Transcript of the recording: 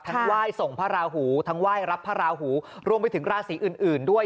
ไหว้ส่งพระราหูทั้งไหว้รับพระราหูรวมไปถึงราศีอื่นด้วย